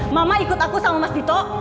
mama ikut aku sama mas dito